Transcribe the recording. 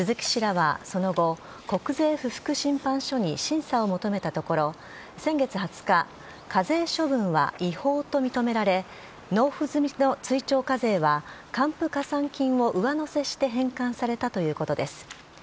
鈴木氏らは、その後国税不服審判所に審査を求めたところ先月２０日課税処分は違法と認められ納付済みの追徴課税は還付加算金を上乗せして返還されたということです。